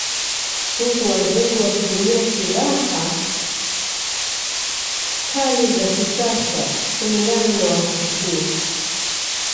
Huku wazungu wakitumia sihala kali za kisasa kulingana na wakati huo